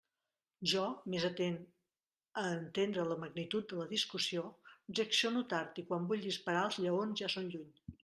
Jo, més atent a entendre la magnitud de la discussió, reacciono tard i quan vull disparar els lleons ja són lluny.